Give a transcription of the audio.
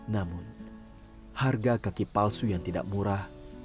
namun harga kaki palsu yang tidak murah